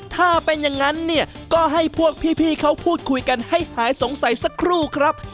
ถ้าเป็นอย่างนั้นเนี่ยก็ให้พวกพี่เขาพูดคุยกันให้หายสงสัยสักครู่ครับ